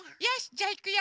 じゃあいくよ。